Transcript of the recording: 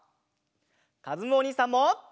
かずむおにいさんも！